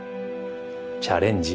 チャレンジ。